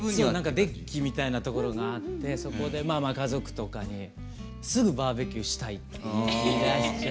デッキみたいなところがあってそこで家族とかにすぐバーベキューしたいって言いだしちゃうんですよね。